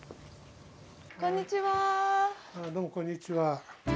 どうもこんにちは。